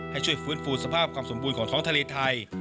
ให้ช่วยฟื้นฟูสภาพความสมบูรณ์ของท้องทะเลไทย